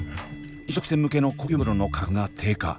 飲食店向けの高級マグロの価格が低下。